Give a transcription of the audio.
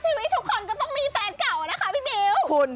ชีวิตทุกคนก็ต้องมีแฟนเก่านะคะพี่มิ้ว